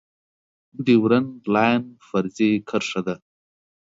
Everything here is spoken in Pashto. ډیورنډ لاین فرضي کرښه ده